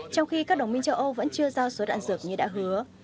trong khi các đồng minh châu âu vẫn chưa giao số đạn dược như đã hứa